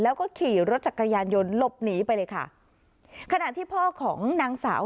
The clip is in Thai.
แล้วก็ขี่รถจักรยานยนต์หลบหนีไปเลยค่ะขณะที่พ่อของนางสาว